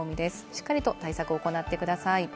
しっかり対策を行ってください。